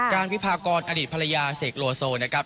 การวิพากรอดีตภรรยาเสกโลโซนะครับ